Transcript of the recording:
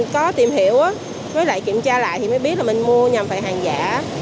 có tìm hiểu với lại kiểm tra lại thì mới biết là mình mua nhằm phải hàng giả